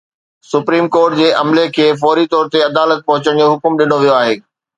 supreme court جي عملي کي فوري طور تي عدالت پهچڻ جو حڪم ڏنو ويو آهي